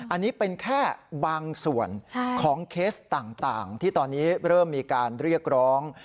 อันนี้เป็นแค่บางส่วนของเคสต่างที่ตอนนี้เริ่มมีการเรียกร้อง